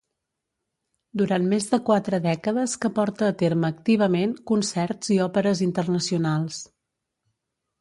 Durant més de quatre dècades que porta a terme activament concerts i òperes internacionals.